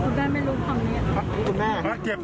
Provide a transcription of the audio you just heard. คุณแม่ไม่รู้ความนี้